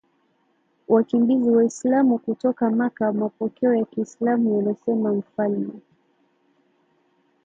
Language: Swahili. wakimbizi Waislamu kutoka Maka Mapokeo ya Kiislamu yanasema mfalme